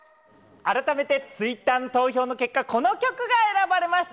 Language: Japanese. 改めてＴｗｉｔｔｅｒの投票の結果、この曲が選ばれました。